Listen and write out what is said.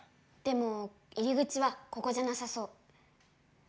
でも入り口はここじゃなさそう。